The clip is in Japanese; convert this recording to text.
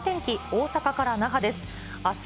大阪から那覇です。